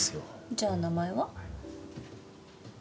じゃあ名前は？